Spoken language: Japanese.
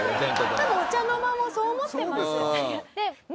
多分お茶の間もそう思ってますよね。